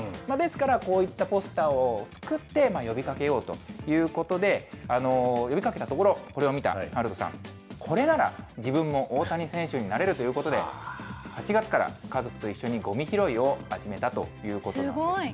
ですから、こういったポスターを作って、呼びかけようということで、呼びかけたところ、これを見た遥斗さん、これなら自分も大谷選手になれるということで、８月から家族と一緒にごみ拾いを始めすごい。